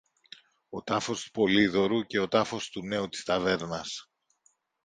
ο τάφος του Πολύδωρου και ο τάφος του νέου της ταβέρνας.